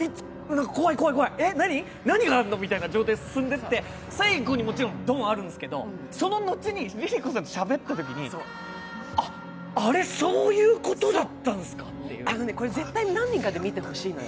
怖い怖い、何があるの、みたいに進んできて最後に、もちろんドンあるんですけど、その後にＬｉＬｉＣｏさんとしゃべったときに、あ、あれ、そういうことだったんですか、みたいな。